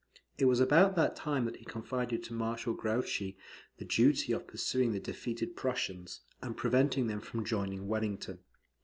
It was about that time that he confided to Marshal Grouchy the duty of pursuing the defeated Prussians, and preventing them from joining Wellington.